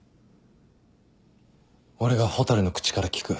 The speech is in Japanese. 俺が蛍の口から聞く。